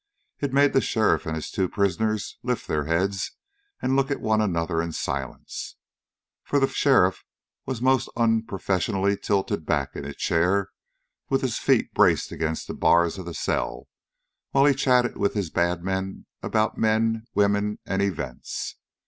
It made the sheriff and his two prisoners lift their heads and look at one another in silence, for the sheriff was most unprofessionally tilted back in a chair, with his feet braced against the bars of the cell, while he chatted with his bad men about men, women, and events.